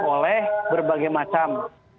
oleh berbagai macam